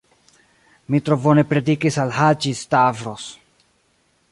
Mi tro bone predikis al Haĝi-Stavros.